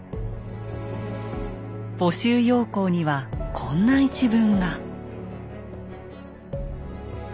募集要項にはこんな一文が。